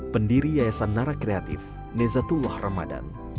pendiri yayasan nara kreatif nezatullah ramadan